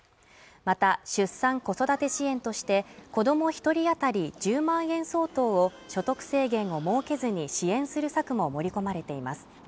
また出産・子育て支援として子ども一人当たり１０万円相当を所得制限を設けずに支援する策も盛り込まれています